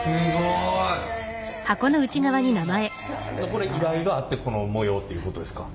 これ依頼があってこの模様っていうことですか？